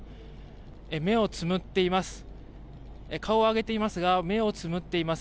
目をつぶっています。